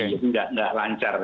itu tidak lancar